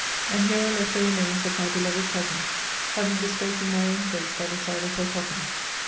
And here I left the remains of my beloved cousin; having bespoken my own place by the side of her coffin.